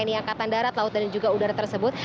yang diangkatan darat laut dan juga udara tersebut